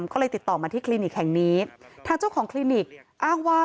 ก็เลยติดต่อมาที่คลินิกแห่งนี้ทางเจ้าของคลินิกอ้างว่า